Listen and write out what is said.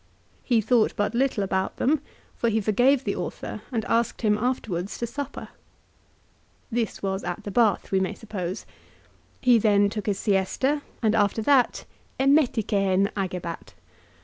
He thought but little about them, for he forgave the author and asked him afterwards to supper. This was at the bath we may suppose. He then tool: his siesta, and after that " epeTiKrjv agebat."